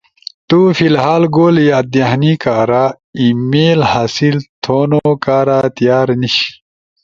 تو فی الحال گول یاد دہانی کارا ای میل حاصل تھونو کارا تیار نیِش،